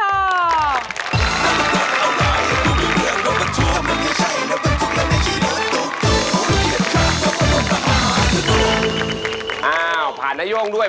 อ้าวผ่านนโย่งด้วย